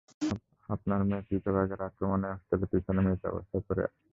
আপনার মেয়ে চিতাবাঘের আক্রমণে হোস্টেলের পিছনে মৃত অবস্থায় পড়ে আছে।